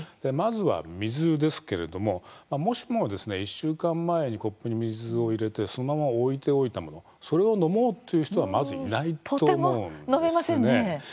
まずは水ですけれどももしも１週間前にコップに水を入れてそのまま置いておいた場合それを飲もうという人はまず、いないと思います。